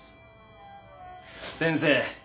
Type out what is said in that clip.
先生